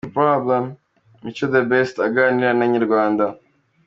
Mico The Best aganira na Inyarwanda.